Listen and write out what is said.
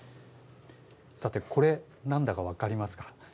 さてこれ何だか分かりますか？